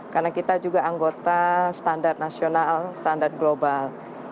karena kita juga anggota standar nasional standar global